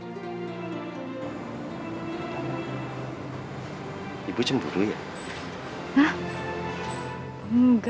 sampai ibu cerita itu aja kalo bu mina sering nolong ibu